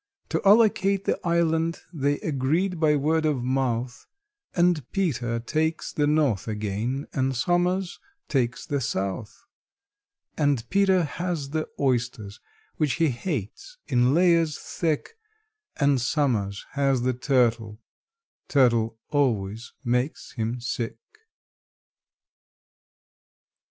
To allocate the island they agreed by word of mouth, And PETER takes the north again, and SOMERS takes the south; And PETER has the oysters, which he hates, in layers thick, And SOMERS has the turtle—turtle always makes him sick.